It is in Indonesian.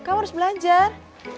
kamu harus belajar